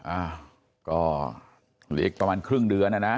อ่าก็เหลืออีกประมาณครึ่งเดือนนะนะ